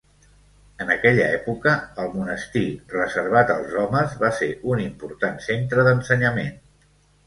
En aquella època, el monestir, reservat als homes, va ser un important centre d'ensenyament.